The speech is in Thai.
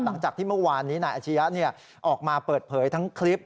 หลังจากที่เมื่อวานนี้นายอาชียะออกมาเปิดเผยทั้งคลิป